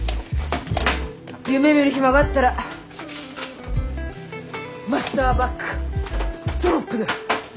夢みる暇があったらマスターバックドロップだ！